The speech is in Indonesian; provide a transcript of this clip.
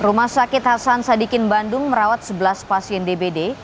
rumah sakit hasan sadikin bandung merawat sebelas pasien dbd